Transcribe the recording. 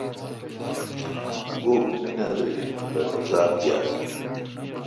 گوگھ میدریش ،پرہ زام گیال